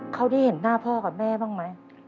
เขาได้เห็นหน้าพ่อกับแม่บ้างไหม